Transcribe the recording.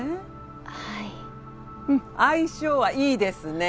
はいうん相性はいいですね